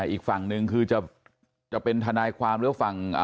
อีกฟังนึงคือจะเป็นทานายความเลี่ยวฟัง